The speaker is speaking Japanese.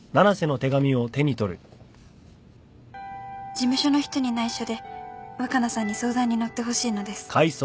「事務所の人に内緒で若菜さんに相談に乗ってほしいのです」